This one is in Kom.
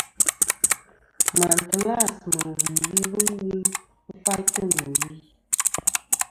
Màtlas mɨ̀ wì ghɨ lum faytɨ nɨ̀ wi.